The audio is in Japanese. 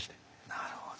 なるほど。